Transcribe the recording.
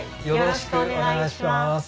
よろしくお願いします。